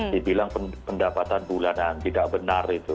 dibilang pendapatan bulanan tidak benar itu